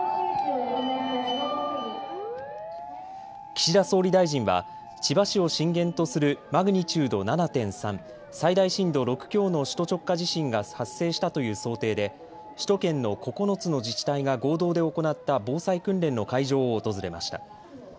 岸田総理大臣は千葉市を震源とするマグニチュード７．３、最大震度６強の首都直下地震が発生したという想定で首都圏の９つの自治体が合同で行った防災訓練の会場を訪れました。